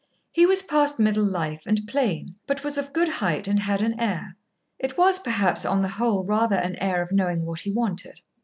He was past middle life and plain, but was of good height and had an air. It was perhaps, on the whole, rather an air of knowing what he wanted.